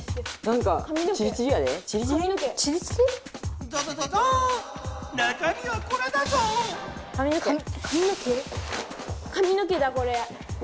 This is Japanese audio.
かみの毛だこれ。